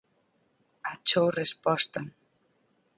Achou resposta.